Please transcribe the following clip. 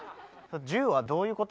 銃はどういうこと？